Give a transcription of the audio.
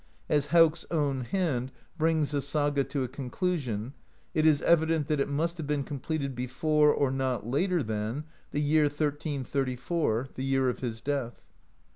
As Hauk's own hand brings the saga to a conclusion, it is evident that it must have been completed before, or not later than, the year 1334, the year of his death.